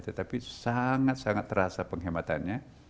tetapi sangat sangat terasa penghematannya